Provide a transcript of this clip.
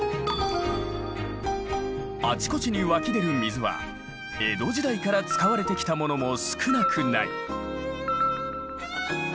あちこちに湧き出る水は江戸時代から使われてきたものも少なくない。